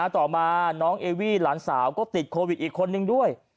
ต่อมาน้องเอวี่หลานสาวก็ติดโควิดอีกคนนึงด้วย